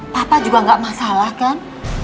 papa juga nggak masalah kan